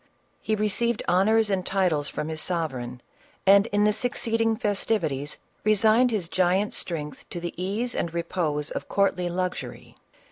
He received honors and titles from his sovereign, and, in the succeeJfcjg festivities, resigned his giant strength to the ease and repose of courtly luxury.